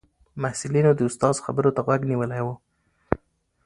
محصلینو د استاد خبرو ته غوږ نیولی و.